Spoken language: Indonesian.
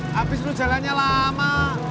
habis lu jalannya lama